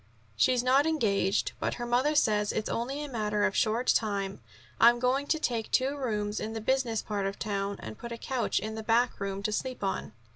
"She's not engaged, but her mother says it's only a matter of a short time. I'm going to take two rooms in the business part of town, and put a couch in the backroom to sleep on."